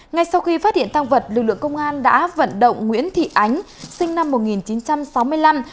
ngay sau khi phát hiện tăng vật lực lượng công an đã vận động nguyễn thị ánh sinh năm một nghìn chín trăm sáu mươi năm